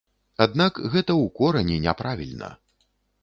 Аднак гэта ў корані не правільна.